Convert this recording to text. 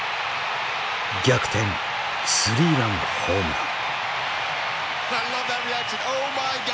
逆転スリーランホームラン。